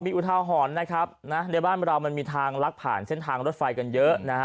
อุทาหรณ์นะครับนะในบ้านเรามันมีทางลักผ่านเส้นทางรถไฟกันเยอะนะฮะ